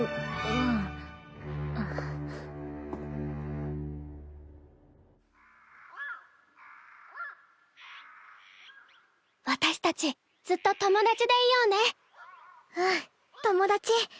カァーカァー私たちずっと友達でいようねうん友達。